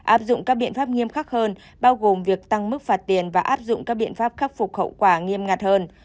áp dụng các biện pháp nghiêm khắc hơn bao gồm việc tăng mức phạt tiền và áp dụng các biện pháp khắc phục khẩu quả nghiêm ngặt hơn